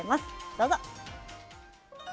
どうぞ。